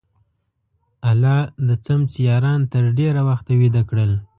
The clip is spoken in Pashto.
الله د څمڅې یاران تر ډېره وخته ویده کړل.